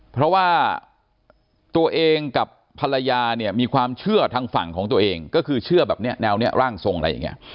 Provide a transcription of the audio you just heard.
เพราะว่าตัวเองกับภรรยาเนี่ยมีความเชื่อทางฝั่งของตัวเองก็คือเชื่อแบบนี้แนวนี้ร่างทรงอะไรอย่างนี้